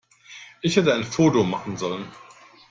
Ich hätte ein Foto machen sollen.